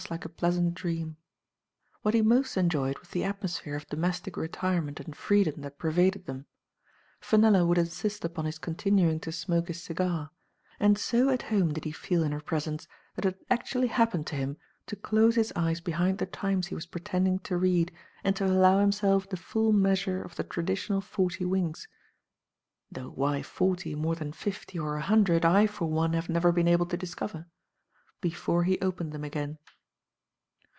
like a pleasant dream. What he most enjoyed was the atmosphere of domestic retirement and freedom that pervaded them. Fenella would insist upon his continuing to smoke his cigar, and so at home did he feel in her presence that it had actually happened to him to close his eyes behind The Times he was pretend Digitized by Google 294 THE FA TE OF FENELLA, ing to read, and to allow himself the full measure of the traditional forty winks (though why forty more than fifty or a hundred, I for one have never been able to discover) before he opened them again.